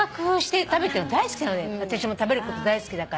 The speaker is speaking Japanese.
私も食べること大好きだから。